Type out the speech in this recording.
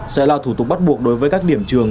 sẽ là thủ tục bắt buộc đối với các điểm trường